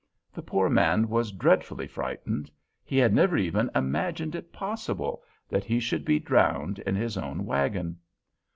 The poor man was dreadfully frightened; he had never even imagined it possible that he should be drowned in his own wagon.